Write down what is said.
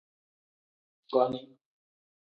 Koni.